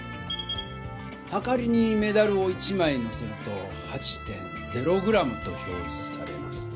はかりにメダルを１枚のせると８．０ｇと表じされます。